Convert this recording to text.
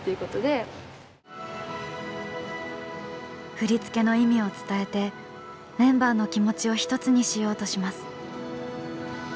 振り付けの意味を伝えてメンバーの気持ちを一つにしようとします。